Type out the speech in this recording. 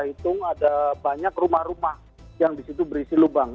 saya hitung ada banyak rumah rumah yang di situ berisi lubang